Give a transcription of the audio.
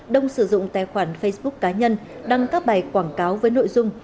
đông sử dụng tài khoản facebook cá nhân đăng các bài quảng cáo với nội dung